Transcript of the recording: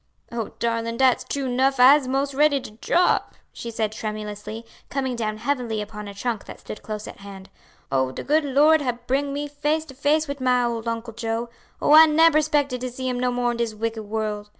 "O darlin', dat's true 'nuff, I'se mos' ready to drop," she said tremulously, coming down heavily upon a trunk that stood close at hand. "Oh, de good Lord hab bring me face to face wid my ole Uncle Joe; oh, I neber 'spected to see him no more in dis wicked world.